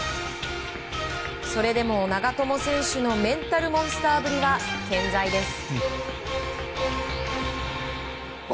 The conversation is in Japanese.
それでも長友選手のメンタルモンスターぶりは健在です。